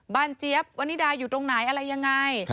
เจี๊ยบวันนิดาอยู่ตรงไหนอะไรยังไง